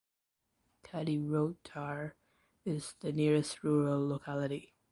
Kadyrotar is the nearest rural locality.